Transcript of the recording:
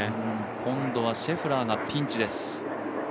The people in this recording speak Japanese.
今度はシェフラーがピンチです。